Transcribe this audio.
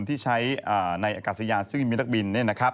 ที่ใช้ในอากาศยานซึ่งมีนักบิน